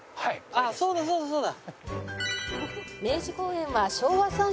あっそうだそうだそうだ。